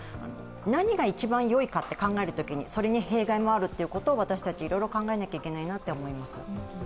何が一番よいかと考えるときにそれに弊害があるということを私たち、いろいろ考えなきゃいけないなと思います。